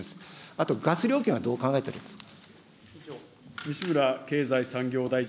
あとガス料金はどう考えてるんですか。